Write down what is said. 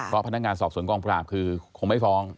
เพราะพนักงานสอบสวนกองปราบคือคงไม่ฟ้อง